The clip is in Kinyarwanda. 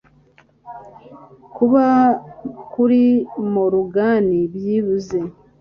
Kuba, kuri Morgan byibuze,